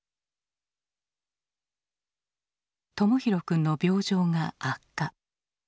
朋宏くんの病状が悪化。